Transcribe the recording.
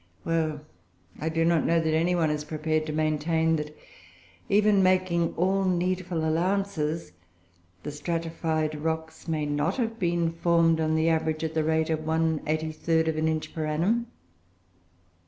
Well, I do not know that any one is prepared to maintain that, even making all needful allowances, the stratified rocks may not have been formed, on the average, at the rate of 1/83 of an inch per annum.